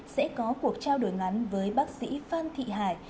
sẽ có cuộc trao đổi ngắn với bác sĩ phan thị hải